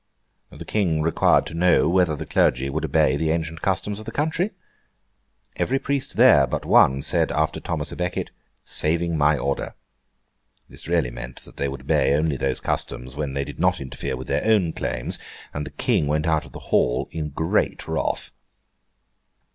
The King required to know whether the clergy would obey the ancient customs of the country? Every priest there, but one, said, after Thomas à Becket, 'Saving my order.' This really meant that they would only obey those customs when they did not interfere with their own claims; and the King went out of the Hall in great wrath.